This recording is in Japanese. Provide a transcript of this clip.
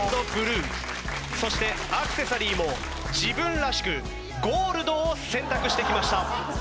そしてアクセサリーも自分らしくゴールドを選択してきました。